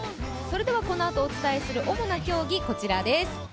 このあとお伝えする主な競技、こちらです。